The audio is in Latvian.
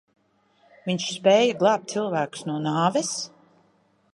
Viņš spēja glābt cilvēkus no nāves?